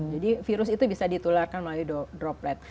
jadi virus itu bisa ditularkan melalui droplet